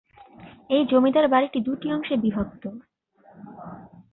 এই জমিদার বাড়িটি দুটি অংশে বিভক্ত।